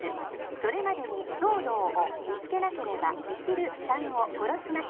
☎それまでに東堂を見つけなければ☎未知留さんを殺します